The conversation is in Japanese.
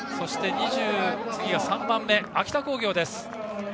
２３番目は秋田工業です。